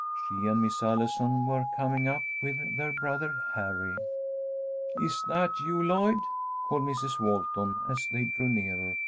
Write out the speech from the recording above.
She and Miss Allison were coming up with their brother Harry. "Is that you, Lloyd?" called Mrs. Walton, as they drew nearer.